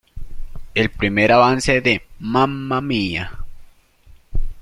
El primer avance de "Mamma Mia!